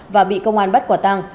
và bị công an bắt quả tăng